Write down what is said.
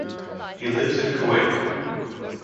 He lives in Kuwait.